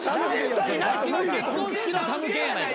「ワシの結婚式のたむけんやないか」